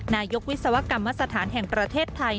นายกวิศวกรรมสถานแห่งประเทศไทย